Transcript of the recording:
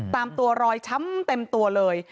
ตามตัวรอยช้ำเต็มตัวเลย